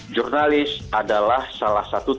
jurnalis adalah salah satu